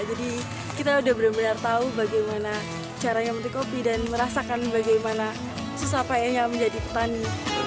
jadi kita sudah benar benar tahu bagaimana caranya memetik kopi dan merasakan bagaimana susah payahnya menjadi petani